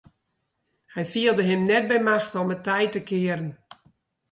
Hy fielde him net by machte om it tij te kearen.